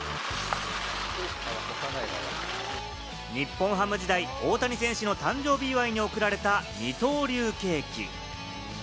日本ハム時代、大谷選手の誕生日祝いに贈られた二刀流ケーキ。